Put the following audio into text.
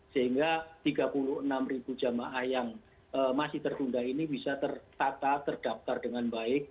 sehingga tiga puluh enam jamaah yang masih tertunda ini bisa tertata terdaftar dengan baik